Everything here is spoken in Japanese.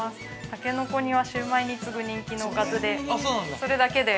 たけのこ煮は、シウマイに次ぐ人気のおかずで。